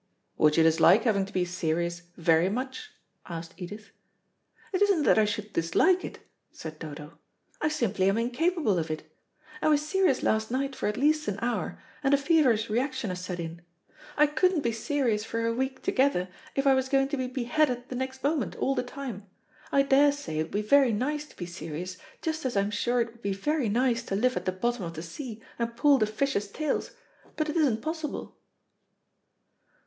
"Would you dislike having to be serious very much?" asked Edith. "It isn't that I should dislike it," said Dodo; "I simply am incapable of it. I was serious last night for at least an hour, and a feverish reaction has set in. I couldn't be serious for a week together, if I was going to be beheaded the next moment, all the time. I daresay it would be very nice to be serious, just as I'm sure it would be very nice to live at the bottom of the sea and pull the fishes' tails, but it isn't possible."